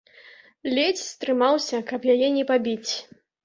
Ледзь стрымаўся, каб яе не пабіць.